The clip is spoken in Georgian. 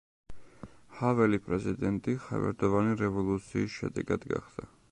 ჰაველი პრეზიდენტი „ხავერდოვანი რევოლუციის“ შედეგად გახდა.